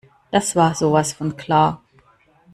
Das war sowas von klar.